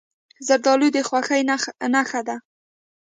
زردالو د خوښۍ نښه ده.